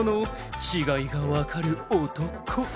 違いが分かる男」